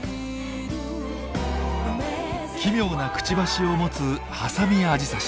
奇妙なクチバシを持つハサミアジサシ。